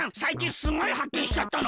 すごいはっけんしちゃったの！